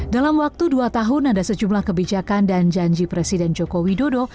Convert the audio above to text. dalam waktu dua tahun ada sejumlah kebijakan dan janji presiden joko widodo